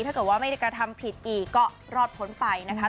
ถ้าไม่กระทำผิดอีกก็รอดผลไปนะคะ